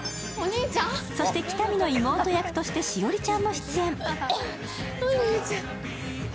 そして喜多見の妹役として栞里ちゃんも出演。